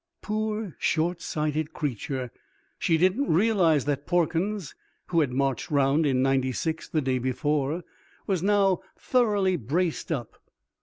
Poor short sighted creature! She didn't realize that Porkins, who had marched round in ninety six the day before, was now thoroughly braced up.